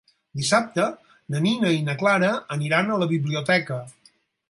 Dissabte na Nina i na Clara aniran a la biblioteca.